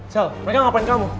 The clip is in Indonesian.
cel mereka ngapain kamu